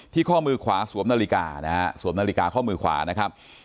ข้อมือขวาสวมนาฬิกานะฮะสวมนาฬิกาข้อมือขวานะครับ